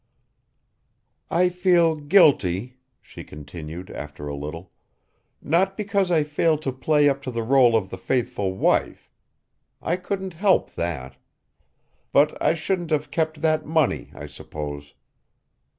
"I feel guilty," she continued after a little, "not because I failed to play up to the rôle of the faithful wife. I couldn't help that. But I shouldn't have kept that money, I suppose.